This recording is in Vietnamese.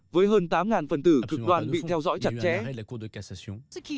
với hơn tám phần tử cực đoan bị theo dõi chặt chẽ